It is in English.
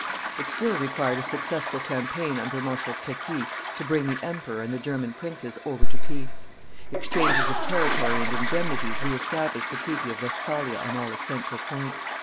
It still required a successful campaign under Marshal Crequi to bring the emperor and the German princes over to peace; exchanges of territory and indemnities re established the treaty of Westphalia on all essential points.